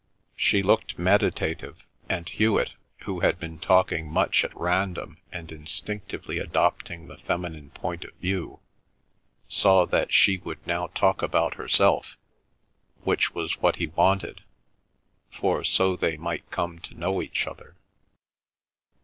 She looked meditative, and Hewet, who had been talking much at random and instinctively adopting the feminine point of view, saw that she would now talk about herself, which was what he wanted, for so they might come to know each other.